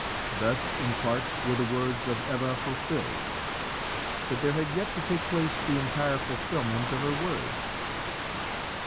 Thus in part were the words of Eva fulfilled, but there had yet to take place the entire fulfilment of her words.